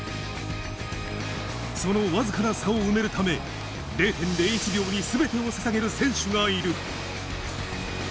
その僅かな差を埋めるため、０．０１秒にすべてをささげる選手がいる。